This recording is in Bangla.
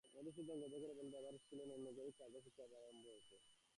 মধুসূদন গর্জন করে বললে, দাদার স্কুলে নুরনগরি কায়দা শিক্ষা আবার আরম্ভ হয়েছে?